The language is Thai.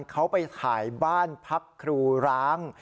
เขาไปถ่ายบ้านพักครูร้าง